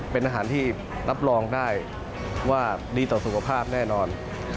เป็นอาหารที่รับรองได้ว่าดีต่อสุขภาพแน่นอน